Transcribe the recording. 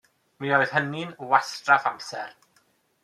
Mi oedd hynny yn wastraff amser.